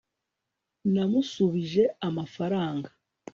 namusubije amafaranga